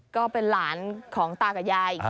ก็เป็นหลานของตากับยาย